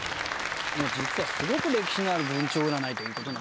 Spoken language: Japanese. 実はすごく歴史のある文鳥占いということなんですよね。